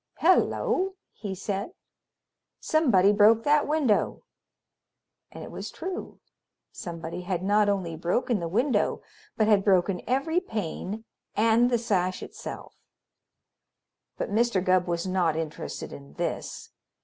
"Hello!" he said. "Somebody broke that window!" And it was true. Somebody had not only broken the window, but had broken every pane and the sash itself. But Mr. Gubb was not interested in this.